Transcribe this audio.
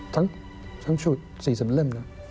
ทั้งชุด๔๐เริ่มนะ